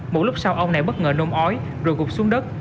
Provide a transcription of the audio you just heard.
một lúc sau ông này bất ngờ nôn ói rồi gục xuống đất